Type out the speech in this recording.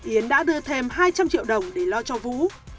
yến đã đưa thêm hai trăm linh triệu đồng để lo cho vũ